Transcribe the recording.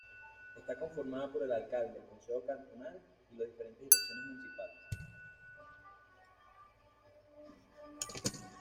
Está conformada por el alcalde, el concejo cantonal y las diferentes direcciones municipales.